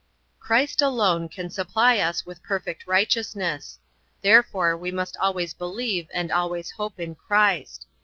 Christ alone can supply us with perfect righteousness. Therefore we must always believe and always hope in Christ.